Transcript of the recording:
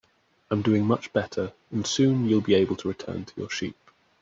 I'm doing much better, and soon you'll be able to return to your sheep.